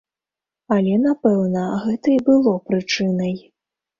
Але, напэўна, гэта і было прычынай.